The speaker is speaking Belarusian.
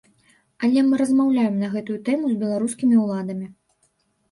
Але мы размаўляем на гэтую тэму з беларускімі ўладамі.